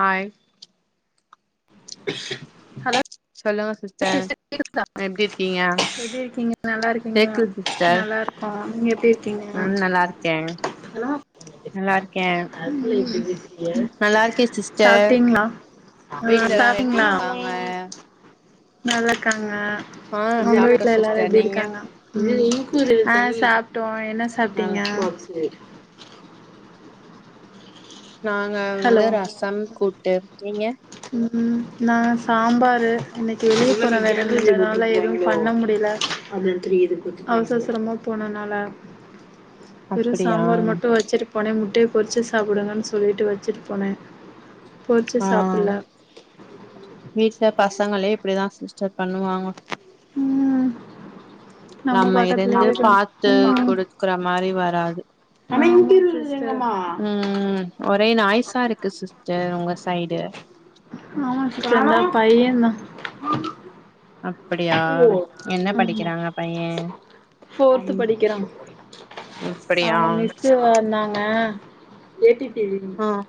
Hi [unintelligible] சொல்லுங்க sister எப்டி இருக்கீங்க எப்டி இருக்கீங்க நல்லாருக்கீங்லா கேக்குது சிஸ்டர் நல்லாருக்கோ நீங்க எப்டி இருக்கீங்க ஹலோ நல்லாருக்கே [unintelligible] சிஸ்டர் சாப்ட்டிங்ளா வீட்ல [inaudible] எல்லாரு எப்டி சாப்ட்டிங்ளா இருக்காங்க நல்லாருக்கங்க ஆ உங்க சாப்ட்டோ வீட்ல எல்லாரு சிஸ்டர் எப்டி நீங்க இருக்காங்க [inaudible] ஆ சாப்ட்டோ என்ன சாப்ட்டிங்க நல்லா நாங்க ஹலோ வந்து ரசம் கூட்டு நீங்க ம் நா சாம்பாரு இன்னைக்கு வெள்ளி கெழம [inaudible] ங்கறதுனால எதுவு பண்ண முடில அவச அவசரமா போனனால [inaudible] வெறு அப்டியா சாம்பார் மட்டு வச்சிரு போனே முட்டைய பொறிச்சு சாப்டுங்கன் சொல்லிட்டு வச்சிட்டு போனே ஆ வீட்ல பசங்களே இப்டிதா சிஸ்டர் பண்ணுவாங்க ம் நம்ம பக்கத்துலயே இருந்து இருக்கனு பாத்து குடுத்துக்கற மாரி வராது கலை வீட்டில் இல் இல்லமா ம் ஒரே நாய்ஸா இருக்கு சிஸ்டர் உங்க சைடு ஆமா சிஸ்டர் எங்க பையந்தா அப்படியா என்ன ஆமா படிக்கிறாங்க பைய ஃபோர்த்து படிக்கிறா அப்படியா அவங்க மிஸ்சு வந்தாங்க ஆ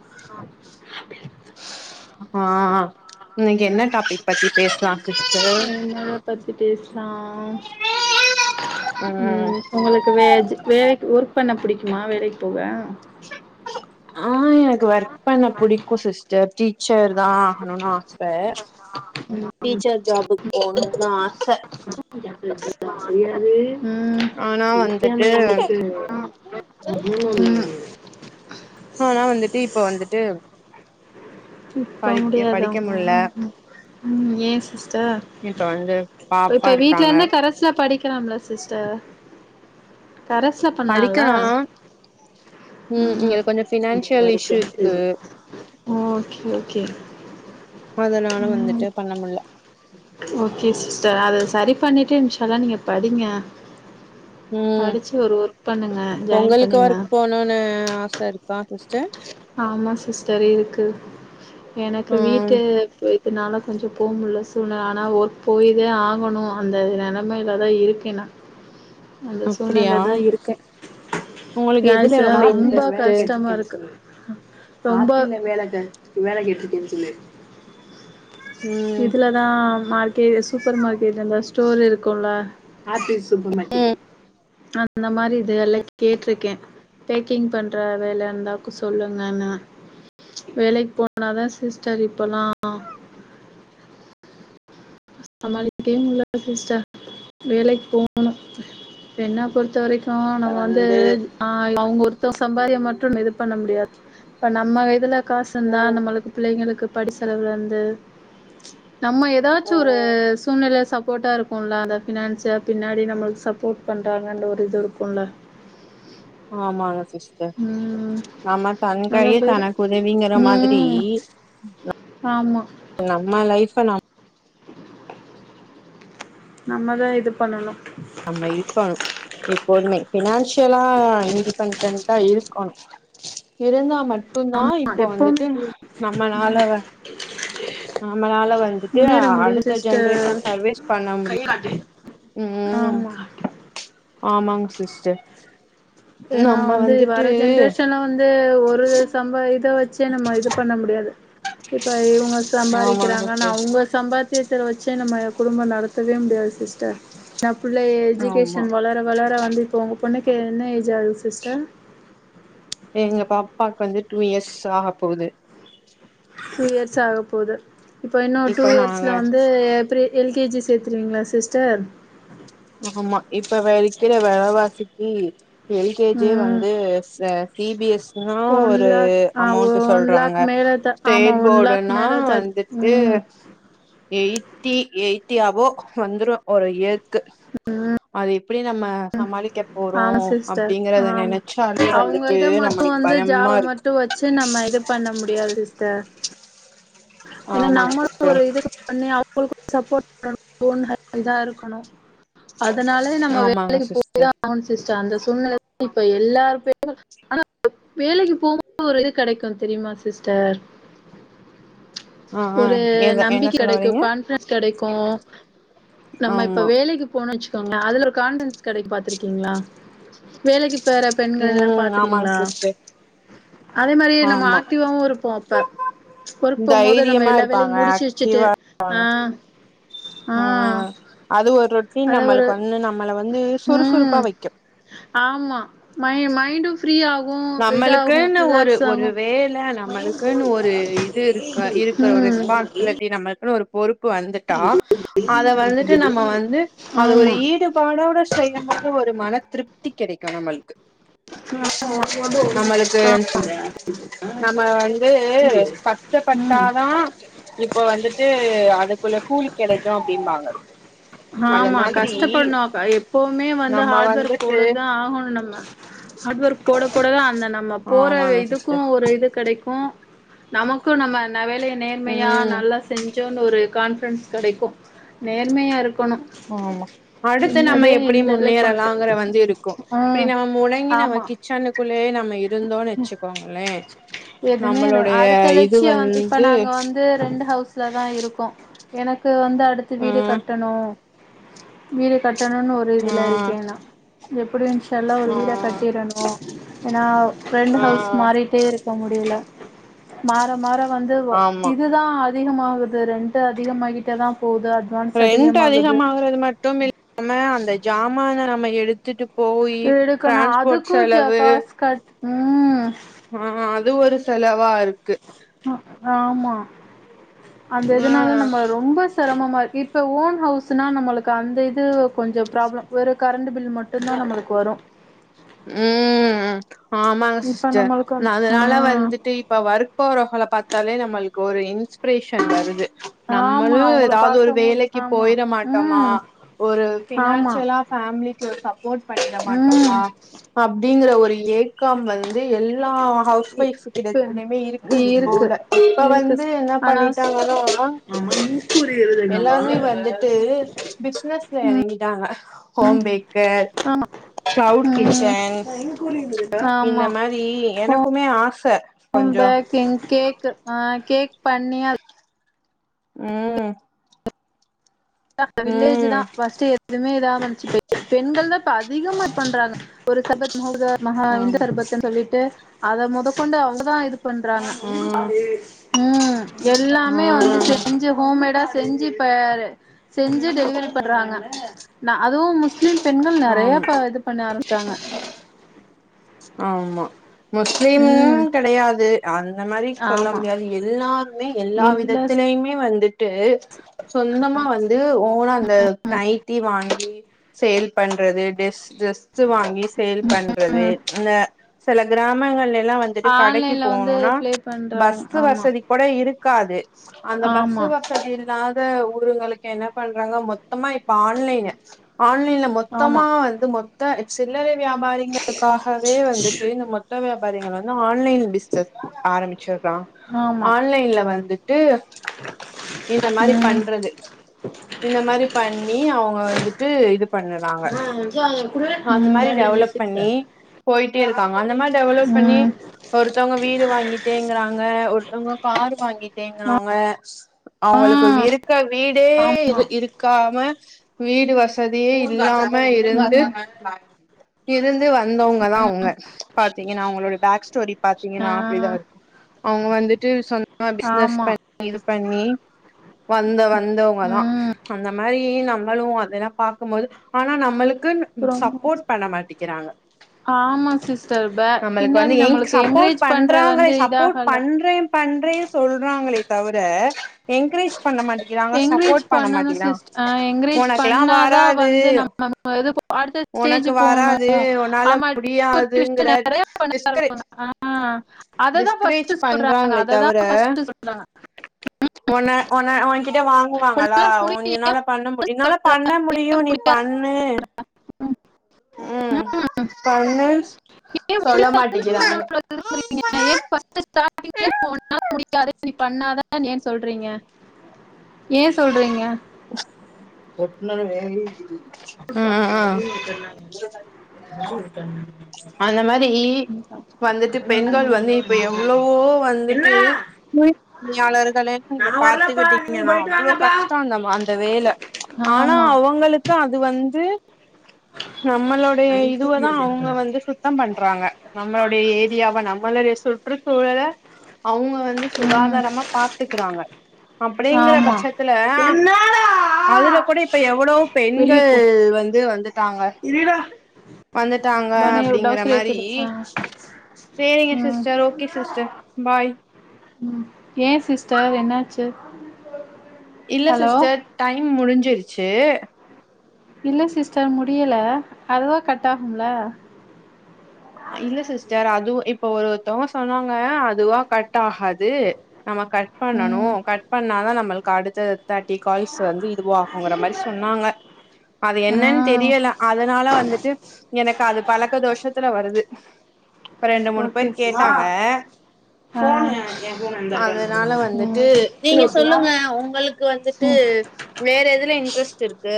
ஆ இன்னைக்கு என்ன டாபிக் பத்தி பேசலாம் சிஸ்டர் எத பத்தி பேசலாம் ம் உங்களுக்கு வேஜ் வேக் ஒர்க் பண்ண பிடிக்குமா வேலைக்கு போயே ஆ எனக் ஒர்க் பண்ண பிடிக்கும் சிஸ்டர் டீச்சர் தா ஆகணுன் ஆச ம் டீச்சர் ஜாபுக்கு போனும்னு ஆச போய்ட்டன் ஆனா வந்துட்டு நெனச்ச [unintelligible] ஆனா வந்துட்டு இப்ப வந்துட்டு இப்ப படிக்க முடியாத படிக்க முல்ல ம் ம் ம் சிஸ்டர் இப்ப வந்து இப் பாப்பா இப்ப வீட்ல இருக்காங்க இருந்த கரஸ்ல படிக்கலாம்ல சிஸ்டர் கரஸ்ல பண்லால படிக்கலா ம் இங்க கொஞ்சோ ஃபினான்சியல் இஷ்யூ இருக்கு ஓகே ஓகே அதனால ம் வந்துட்டு பண்ண முல்ல ஓகே சிஸ்டர் அத சரி பண்ணிட்டு யூஸ்வலா நீங்க படிங்க ம் படிச்சு ஒரு ஒர்க் பண்ணுங்க ஜாயின் பொங்களுக் பண்ணுங்க ஒர்க் போனனு ஆச இருக்கா சிஸ்டர் ஆமா சிஸ்டர் இருக்கு எனக்கு ம் வீட்ட போய் அதனால கொஞ்சம் போ முல்ல சூழ்நெல ஆனா ஒர்க் போய்தே ஆகணும் அந்த நெலமையில தா இருக்கே நா அந்த அப்டியா சூழ்நெல தா இருக்கே உங்களுக்கு எதுல பைசா ரொம்ப இன்ட்ரெஸ்ட்டு கஷ்டமா இருக்கு ரொம்பங்க வேலக்க வேல கேட்ருக்கேன்னு சொல்லு ம் இதுலதா மார்க்கெட் சூப்பர் மார்க்கெட்ல இந்த ஸ்டோர் இருக்கும்ல ஆர்த்தி சூப்பர் மார்கெட்டு ம் க்கே பேக்கிங் பண்ற வேல இந்தா கு சொல்லுங்கன்ன வேலைக் போனா தா சிஸ்டர் இப்பல்லா சமாளிக்கே முடில சிஸ்டர் வேலைக்கு போகணு என்ன பொறுத்த வரைக்கு அ நம்ம வந்து ஆ இல்ல அவங்க ஒருத்தவங்க சம்பாத்தியம் மட்டும் இது பண்ண முடியாது இப்ப நம்ம இதுல காசு இருந்தா ம் நம்மளுக்கு பிள்ளைங்களுக்கு படி செலவு வந்து நம்ம எதோ ச்சு ஒரு ம் சூழ்நில சப்போர்ட்டா இருக்கும்ல அத ஃபினான்சியா பின்னாடி நம்மளுக் சப்போர்ட் பண்ணறாங்கன்ற ஒரு இது இருக்கும்ல ஆமாங்க சிஸ்டர் ம். நம்ம தன் கையே அதான் பேரு. தனக்குதவிங்கற மாதிரி ம். ஆமா நம்ம லைஃப்ப நம் நம்மதா இது பண்ணணு நம்ம இருக்கணு எப்போமே ஃபினான்சியலா இன்டிபெண்டன்டா இருக்கணு இருந்தா மட்டும் தா ஆமா இப்போ எப்பவுமே வந்துட்டு நம்மளால நம்மளால வந்துட்டு முன்னேற அடுத்த ஜென்ரேஷன் சர்வீஸ் பண்ண முடி ஹிராட்டி ம் ஆமாங் சிஸ்டர் ஏன்னா நம்ம வந்து வந்துட்டு வர ஜென்ரேஷன வந்து ஒரு நம்ப இத வச்சே நம்ம இது பண்ண முடியாது இப்ப அவங் ஆமாங்க சம்பாரிக்கிறாங்கன் சிஸ்டர் அவங்க சம்பாத் தியத்துல வச்சே நம்ம குடும்ப நடத்தவே முடியாது சிஸ்டர் எ புள்ளய ஆமா எஜுகேஷன் வளர வளர வந்து இப்போ உங்க பொண்ணுக்கு என்ன ஏஜ் ஆகுது சிஸ்டர் எங்க பாப்பாக்கு வந்து டூ இயர்ஸ் ஆகப்போகுது டூ இயர்ஸ் ஆகப்போது இப்போ இன்னு டூ இப்ப இயர்ஸ்ல நாங்க வந்து எப்டி எல் கே ஜி சேர்த்துருவீங்ளா சிஸ்டர் ஆமா இப்பவே விக்கிற வெலவாசிக்கு எல் கே ஜி யே ம் வந்து சி பி எஸ் சி னா ஒன் ஒரு லேக் ஆ அமௌண்ட் ஒன் சொல்றாங்க லேக் மேல த ஆமா ஸ்டேட் ஒன் லேக் போர்டுன்னா மேல த வந்துட்டு ம் எய்ட்டி எய்ட்டி அபோ வந்துரு ஒரு இயர்க்கு அது எப்படி நம்ம சமாளிக்க ப் போறோ ஆமா சிஸ்டர் அப்டிங்கறத ஆமா நெனச்சாலே வந்துட்டு நம்மளுக்கு பயமா இருக்கு விட்டு வச்சு நம்ம இது பண்ண முடியாது சிஸ்டர் ஏன்னா ஆமாங்க நம்மளு ஒரு சிஸ்டர் இதுக்கு பண்ணி அவங்களுக்கு சப்போர்ட் பண்ணனு போன்க இதா இருக்கணு அதனாலே நம்ம ஆமாங்க வேலைக்கு போய்தா சிஸ்டர் ஆன் சிஸ்டர் அந்த சூழ்நில இப்ப எல்லாரு [inaudible] ஆனா வேலைக்கு போம்போது ஒரு இது கெடைக்கு தெரியுமா சிஸ்டர் ஆ ஆ ஒரு எத என்ன நம்பிக்கை சொல்ல கெடைக்கு வரீங்க கான்பிடன்ஸ் கெடைக்கு நம்ம இப்ப ஆமா வேலைக்கு போனோ வச்சுக்கோங்கலே அதுல ஒரு கான்டன்ஸ் கிடைக்கு பாத்துருக்கீங்ளா வேலைக்கு சேற பெண்கள்ல்லா ம் ஆமாங்க பாத்துருக்கீங்ளா சிஸ்டர் அதே மாரி நம்ம ஆமா ஆக்டிவாவு இருப்போ அப்ப ஒரு தைரியமா இருப்பாங்க ஆக்டிவா ஆ இருப்பாங்க ஆ ம் அது ஒரு ரொட்டின் அதா ஒரு நம்மளுக்கு வந்து நம்மள வந்து சுறுசுறுப்பா ம் வக்கு ஆமா மை மைண்டு ஃப்ரீ ஆகு இதாகு நம்மளுக்குன்னு ஒரு ரிலாக்ஸ் ஒரு ஆகு வேல நம்மளுக்குன்னு ஒரு ம் இப்டி நம்மளுக்குன் ஒரு பொறுப்பு வந்துட்டா அத வந்துட்டு நம்ம வந்து அது ஒரு ஆமா ஈடு பாட்டோட செய்யு போது ஒரு மன திருப்தி கெடைக்கு நம்மளுக்கு நம்மளுக்கு [inaudible] நம்ம வந்து ம் கஷ்டப்பட்டாதா இப்ப வந்துட்டு அதுக்குள்ள கூலி கெடைக்கு அப்டின்பாங்க ஆமா கஷ்டப்பட்னு அப்ப எப்பவுமே வந்து நம்ம ஹார்ட் ஒர்க் வந்துட்டு போடதா ஆகணு நம்ம ஹார்ட் ஒர்க் போட போடதா அந்த நம்ம போற ஆமாங்க இதுக்கு சிஸ்டர் ஒரு இது கெடைக்கு நமக்கு நம்ம ந வேலைய நேர்மையா ம் நல்லா செஞ்சோன் ஒரு கான்ஃபிடன்ஸ் கெடைக்கு நேர்மையா இருக் அடுத்து நம்ம எப்டி இந்த லைக் பண்ற முன்னேறலாங்குற வந்து இருக்கு இப்டி ம் நம்ம முனை இனி நம்ம ஆமா கிச்சனுக்குள்ளே நம்ம இருந்தோன் வச்சுக்கோங்களே எதுவுமே நம்மளுடைய இது வந்து து ரெண்ட் ஹவுஸ்ல தா இருக்கோ எனக்கு வந்து அடுத்து ஆ வீடு கட்டணு வீடு கட்டணுன் ஒரு இதுல ஆ இருக்கே நா எப்டியு இன்ஷால்லா ஒரு ஆ வீட கட்டிறணு ஏன்னா ரெண்ட் ஆ ஹவுஸ் மாறிட்டே இரு முடில மாற மாற வந்து ஒ ஆமா இது தான் அதிகமாகுது ரெண்ட்டு அதிகமாகிட்டே தா போது அ ரெண்ட்டு அதிகமாகறது மட்டும் இல்லாம அந்த சாமான நம்ம எடுத்துட்டு போயி எடுக்கணோ டிரான்ஸ்போர்ட் அதுக்கு ஜ செலவு காசு கட்னும் ம் அது ஒரு செலவா இருக்கு அ ஆமா அந்த இதுனால ஆ நம்ம ரொம்ப செரமமா இரு இப்போ ஓன் ஹவுஸ்னா நம்மளுக்கு அந்த இது கொஞ்சோ ப்ராப்ளம் வேற கரண்ட்டு பில் மட் ம் ஆமாங்க இப்ப சிஸ்டர் நம்மளுக்கு நா வந்து அதனால ஆ வந்துட்டு இப்ப ஒர்க் போறவகள பாத்தாலே நம்மளுக்கு ஒரு இன்ஸ்பிரேஷன் வருது ஆமா நம்மளு அவங்கள ஏதாவது ஒரு பாக்கும் போது வேலைக்கு ஆமா போயிட மாட்டோமா ம் ஒரு ஆமா ஃபினான்ஷியலா ஃபேமிலிக்கு ஒரு சப்போர்ட் பண்ணிட ம் மாட்டோமா அப்டிங்கற ஒரு ஏக்கம் வந்து எல்லா ஹவுஸ் இ வைஃப் கிட்ட இப்ப எத்தனையுமே இருக்கு இப்போ உள்ள இப்ப இருக்கு வந்து என்ன ஆனா பண்ணிட்டாங்கனா ஆமா இக் கூறி எழுதுங்கம்மா அது பிசினஸ்ல எறங்கிட்டாங்க ஹோம் பேக் ஆமா ம் கிச்சன் இந்த ஆமா மாரி அந்த ஹோம் எனக்குமே ஆச கொஞ்சோ ஹோம்பேக் என் கேக் அ கேக் பண்ணி ம் அந்த வில்லேஜு தா ம் ஃபஸ்ட் எதுவுமே [unintelligible] பெண்கள் தா இப்ப அதிகமா ஒர்க் பண்றாங்க ஒரு சர்பத் ம [unintelligible] இந்த ஆமா சரபத்ன்னு சொல்லிட்டு அத மொதகொண்டு அவங்கதா இது பண்றாங்க ம் ம் எல்லாமே வந்து ம் செஞ்ச செஞ்சு ஹோம்மேடா செஞ்சு இப்ப செஞ்சு டெலிவரி பண்றாங்க நா அதுவு முஸ் முஸ்லீம் பெண்கள் நெறைய ஆமா இது பண்ண ஆரம்பிச்டாங்க ஆமா முஸ்லீம்னு ம் கெடையாது அந்த மாரி சொல்ல ஆமா முடியாது எல்லாருமே எல்லா விதத்திலயுமே வந்து டு சொந்தமா வந்து ஓனா அந்த நைட்டி வாங்கி சேல் பண்றது டெஸ் ட்ரெஸ் வாங்கி சேல் பண்றது ம் இந்த செல கிராமங்கள்ல எல்லா வந்துட்டு கடைக்கு ஆன்லைன்ல வந்து போணுனா ப்ளே பண்றாங்க பஸ்ஸு ஆமா வசதிக் கூட இருக்காது அந்த பஸ்ஸு ஆமா வசதி இருந்தா வந்து ஊருங்களுக்கு என்ன பண்றாங்க மொத்தமா இப்ப ஆன்லைனு ஆன்லைன்ல மொத் மொத்தமா ஆமா வந்து மொத்த சில்லறை வியாபாரிங்களுக்காகவே வந்துட்டு இந்த மொத் மொத்த வியாபாரிகள் வந்து ஆன்லைன் பிசினஸ் ஆரம்பிச்சிடுறான் ஆமா ஆன்லைன்ல வந்துட்டு இந்த மாரி ம் பண்றது இந்த மாரி பண்ணி அவுங்க வந்துட்டு இது பண்ணலா ஆ சோ அது கூட அந்த மாரி கேட்ரிஜ் டெவலப் சிக்ஸ் பண்ணி போயிட்டே இருக்காங்க அந்த மாரி டெவலப் பண்ணி ம் ஒருத்தவங்க வீடு வாங்கிட்டேங்கிறாங்க ஒருத்தவங்க கார் வாங்கிட்டேங்கிறாங்க ஆ அவங்களுக்கு விருக்க வீடே ஆமா இரு இருக்காம வீடு வசதியே இல்லாம் மா இருந்து ம் இருந்து வந்தவுங்க தா அவுங்க பாத்தீங்கன்னா அவுங்களோட பேக் ஸ்டோரி ஆ பாத்தீங்கன்னா அப்டிதான் இருக்கு அவங்க வந்துட்டு சொந்தமா பிசினஸ் ஆமா பண்ணி இது பண்ணி வந்த வந்தோங்கதா ம் அந்தமாரி நம்மளு அதெல்லா பாக்கமோது ஆனா நம்மளுக்குன் ம் ரொம்ப சப்போட் பண்ண மாட்டிக்கிறாங்க ஆமா சிஸ்டர் ப நம்மளுக்கு பின்னாடி வந்து என்க் நம்மளுக்கு சப்போட் என்கரேஜ் பண்ற பண்றாங்க வந்து சப்போட் இதாகல பண்றேன் பண்றே சொல்றாங்களே தவுர என்கரேஜ் பண்ண மாட்டி கிராங்க என்கரேஜ் சப்போட் பண்ண பண்ணணு மாட்டிக்கிறா சிஸ் ஆ என்கரேஜ் உனக்குல்லா பண்ணாதா வராது வந்து நம்ம இது அடுத்த ஸ்டேஜ் உனக்கு போணு வராது உன்னால ஆமா முடியாதுங்குற நெறைய பண்ண டிஸ்கரேஜ் ஆரம்பிப்பாங்க ஆ அததா டிஸ்கரேஜ் ஃபஸ்ட்டு சொல்றாங்க பண்றாங்களே அததா தவிர ஃபஸ்ட்டு சொல்றாங்க உன்ன உன்ன ஓங்கிட்ட வாங்குவாங்களா உன்னால முடியும் ஒன்னினால பண்ண முடியு ஏன் உன்னால சொல்ற? பண்ண முடியு ஏன் நீ முடியாது? பண் ணு ம் பண்ணு ஏன் சொல்ல மாட்டிக்கிறாங்க ஃபஸ்ட்டு ஸ்டாடிங்ளே போ னால முடியாது நீ பண்ணாத ஏ சொல்றீங்க ஏ சொல்றீங்க ஒட்னது வேலையே இனிக் இல் [inaudible] தெர்ல [inaudible] அந்த மாரி வந்துட்டு பெண்கள் வந்து இப்ப எவ்ளவோ என்ன வந்துட்டு [unintelligible] பணியாளர்கலெல்லா நீங்க நான் வரலப்பா நீங்க பாத்துக்கிட்டீங்கன்னா போயிட்டு அவ்ளோ வாங்கப்பா கஷ்டோ அந்த மா அந்த வேல ஆனா ஆமா அவங்களுக்கு அது வந்து நம்மளோ நான் இன்டர்வியூ இதுவதா அவுங்க எடுத்தேன் வந்து சுத் த்தம் பண்றாங்க நம்மளுடைய ஏரியாவ நம்மளுடைய சுற்று சூழல அவுங்க வந்து ம், சுகாதாரமா பாத்துக்கறாங்க அப்டிங்கற ஆமா பட்சத்துல என்னடா அதுல கூட இப்ப எவ்ளோ வெளிய பெண்கள் போ வந்து வந்துட்டாங்க இருடா வந்துட்டாங்கா பனியன் அப்டிங்கிற டவுசர் ஏத்தி மாரி விடு ஆ சேரிங்க ம் சிஸ்டர் ஓகே சிஸ்டர் பாய் ம் ஏ சிஸ்டர் என்னாச்சு இல்ல ஹலோ சிஸ்டர் டைம் முடிஞ்சிருச்சு இல்ல சிஸ்டர் முடில அதுவா கட் ஆகும்ல இல்ல சிஸ்டர் அது இப்ப ஒரு ஒருத்தங்க சொன்னாங்க அதுவா கட் ஆகாது நாம கட் பண்ணணு ம் கட் பண்ணாதா நம்மளுக்கு அடுத்த தேட்டி கால்ஸ் வந்து இதுவாகுங்கற மாரி சொன்னாங்க அது ஆ என்னன் தெரியல அதனால வந்துட்டு எனக்கு அது பழக்க தோஷத்துல வருது ரெண்டு மூணு ஓகே பேர் சிஸ்டர் கேட்டாங்க ஆ ம் நீங்க சொல்லுங்க உங்களுக் க்கு வந்துட்டு ம் வேற எதுல இன்ட்ரெஸ்ட் இருக்கு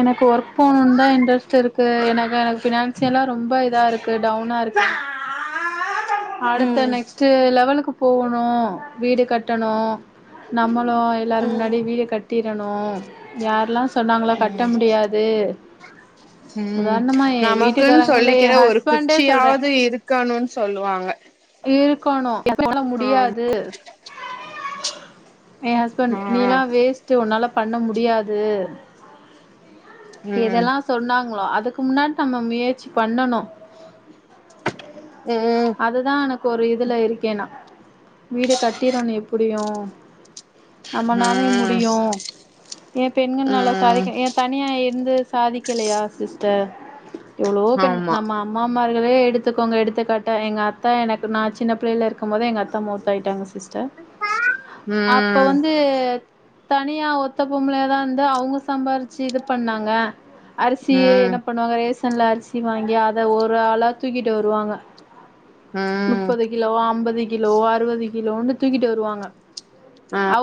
எனக்கு ஒர்க் போணுன்னுதா இன்ட்ரெஸ்ட் இருக்கு எனக்கு ஃபினான்சியலா ரொம்ப இதா இருக் டவுனா இருக்கு அடுத்த ம் நெக்ஸ்ட்டு லெவலுக்கு போகணு வீடு கட்டணு நம்மளு எல்லாரு முன்னாடி ம் வீடு கட் டிரணு யாரெல்லா சொன்னாங்களோ கட்ட ம் முடியாது ம் உதாரணமா எ நமக்குன் வீட்டுக்காரங்க இல்ல எ சொல்லிக்கிற ஒரு ஹஸ்பண்டே சொல்றே குச்சியாவது இருக் கணுன் சொல்லுவாங்க இருக்கணு எப்பயுபோல ஆம் முடியாது எ ஹஸ்பண்ட் ஆ நீலா வேஸ்ட்டு உன்னால பண்ண முடியாது ம் இதெல்லாம் சொன்னாங்களோ அதுக்கு முன்னாடி நம்ம முயற்சி பண்ணணும் ம் இதான் எனக்கு ஒரு இதுல இருக்கே நா வீடு கட்டிறன்னு எப்படியும் நம்ம நாளையு முடியும் ஏன் பெண்கள்னால ம் சாதிக்க ஏன் தனியா இருந்து சாதிக்கலையா சிஸ்டர் [inaudible] எவ்ளோ பெண் ஆமா நம்ம அம்மாமார்களே எடுத்துக்கோங்க எடுத்துக்காட்டா எங்க அத் அத்தை எனக்கு நா சின்ன புள்ளைல இருக்கும் போதே எங்க அத்தா மவுத் ஆகிட்டாங்க சிஸ்டர் அப்ப ம் வந்து தனியா ஒத்த பொம்பளயா தா இருந்து அவங்க சம்பாரிச்சு இது பண்ணாங்க அரிசி ம் என்ன பண்ணுவாங்க ரேசன்ல அரிசி வாங்கி அதை ஒரு ஆளா தூக்கிட்டு வருவாங்க முப்பது ம் கிலோவோ ஐம்பது கிலோவோ அறுபது கிலோனு தூக்கிட்டு வருவாங்க ஆ